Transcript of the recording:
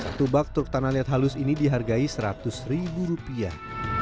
satu bak truk tanah liat halus ini dihargai seratus ribu rupiah